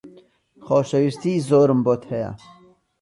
خۆشەویستیی زۆرم بۆت هەیە.